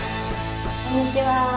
こんにちは。